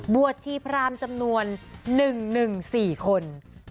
ชีพรามจำนวน๑๑๔คน